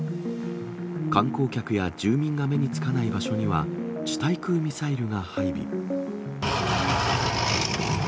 観光客や住民が目につかない場所には、地対空ミサイルが配備。